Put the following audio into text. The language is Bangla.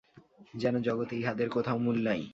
যেন জগতে ইহাদের কোথাও মূল নাই।